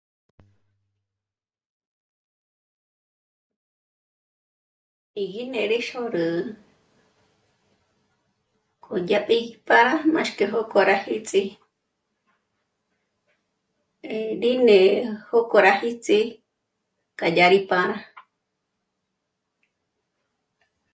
í gí né'ere xôrü k'ojápjipjá máxk'é jòk'ó rá híts'i. Rí né'e jòkó rá híts'i k'ayárípá'a